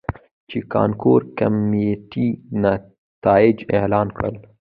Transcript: ،چې کانکور کميټې نتايج اعلان کړل.